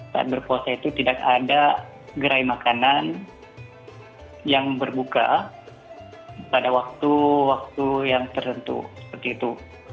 saat berpuasa itu tidak ada gerai makanan yang berbuka pada waktu waktu yang tertentu seperti itu